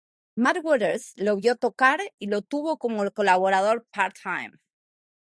Muddy Waters lo vio tocar y lo tuvo como colaborador "part-time".